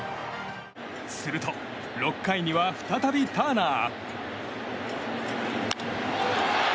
すると６回には再びターナー。